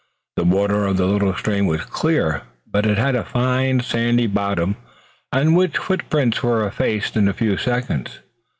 The water of the little stream was clear, but it had a fine sandy bottom on which footprints were effaced in a few seconds.